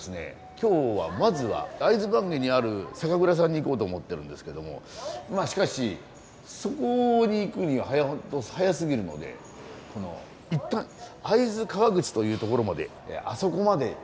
今日はまずは会津坂下にある酒蔵さんに行こうと思ってるんですけどもまあしかしそこに行くには早すぎるので一旦会津川口という所まであそこまで行きます。